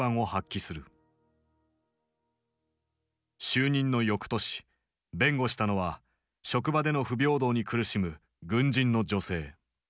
就任のよくとし弁護したのは職場での不平等に苦しむ軍人の女性。